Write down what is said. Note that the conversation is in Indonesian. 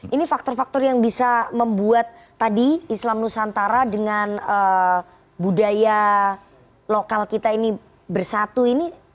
ini faktor faktor yang bisa membuat tadi islam nusantara dengan budaya lokal kita ini bersatu ini